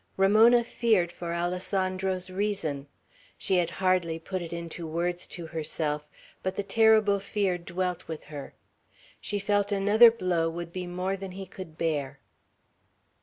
Ramona feared for Alessandro's reason. She had hardly put it into words to herself, but the terrible fear dwelt with her. She felt that another blow would be more than he could bear.